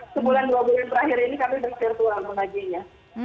sembulan dua bulan terakhir ini kami virtual mengajiannya